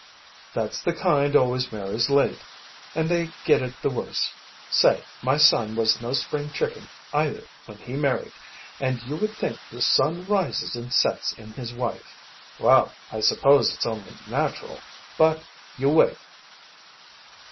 "That's the kind always marries late. And they get it the worst. Say, my son was no spring chicken, either, when he married. And you would think the sun rises and sets in his wife. Well, I suppose it's only natural. But you wait."